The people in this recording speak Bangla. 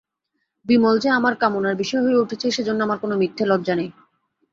বিমল যে আমার কামনার বিষয় হয়ে উঠেছে সেজন্যে আমার কোনো মিথ্যে লজ্জা নেই।